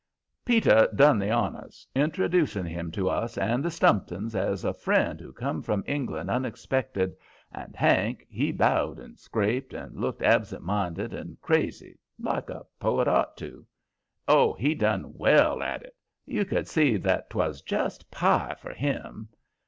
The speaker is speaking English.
Peter done the honors, introducing him to us and the Stumptons as a friend who'd come from England unexpected, and Hank he bowed and scraped, and looked absent minded and crazy like a poet ought to. Oh, he done well at it! You could see that 'twas just pie for him.